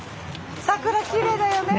桜きれいだよね。